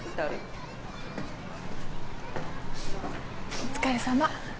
お疲れさま。